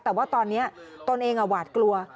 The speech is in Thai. แต่ว่าตอนนี้ตนเองหวาดกลัว